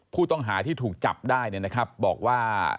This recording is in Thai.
ผู้ต้องหาที่ถูกจับได้เนี่ยนะครับบอกว่า